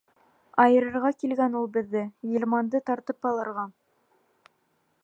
Айырырға килгән ул беҙҙе, Ғилманды тартып алырға!